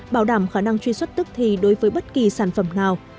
bảo đảm khả năng truy xuất tức thì đối với bất kỳ sản phẩm nào